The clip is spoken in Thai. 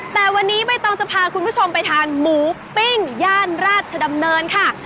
แต่วันนี้ใบตองจะพาคุณผู้ชมไปทานหมูปิ้งย่านราชดำเนินค่ะ